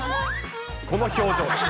この表情です。